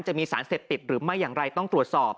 จะมีสารเสพติดหรือไม่อย่างไรต้องตรวจสอบ